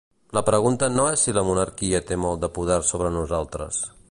La pregunta no és si la monarquia té molt de poder sobre nosaltres.